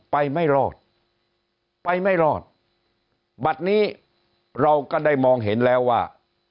ไม่รอดไปไม่รอดบัตรนี้เราก็ได้มองเห็นแล้วว่า